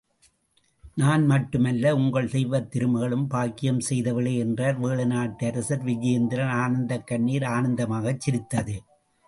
நான் மட்டுமல்ல, உங்கள் தெய்வத் திருமகளும் பாக்கியம் செய்தவளே! என்றார், வேழநாட்டு அரசர் விஜயேந்திரன் ஆனந்தக்கண்ணிர் ஆனந்தமாகச் சிரித்தது!